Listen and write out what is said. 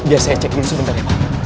biar saya cek dulu sebentar ya pak